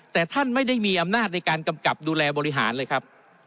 แต่ท่านไม่ได้มีอำนาจในการกำกับดูแลบริหารเลยครับ